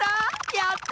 やった！